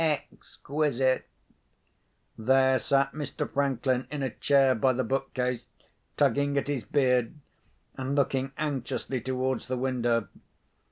exquisite!" There sat Mr. Franklin in a chair by the bookcase, tugging at his beard, and looking anxiously towards the window.